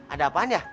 ada apaan ya